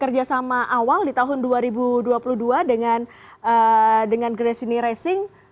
kerjasama awal di tahun dua ribu dua puluh dua dengan grace ini racing